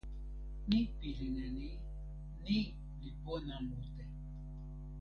mi pilin e ni: ni li pona mute.